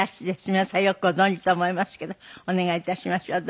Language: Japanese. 皆さんよくご存じと思いますけどお願いいたしましょう。